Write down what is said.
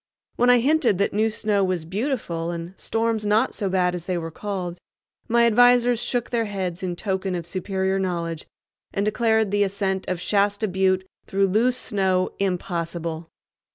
When I hinted that new snow was beautiful and storms not so bad as they were called, my advisers shook their heads in token of superior knowledge and declared the ascent of "Shasta Butte" through loose snow impossible.